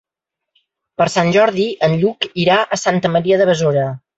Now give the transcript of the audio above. Per Sant Jordi en Lluc irà a Santa Maria de Besora.